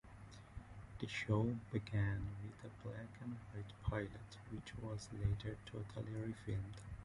The show began with a black and white pilot, which was later totally re-filmed.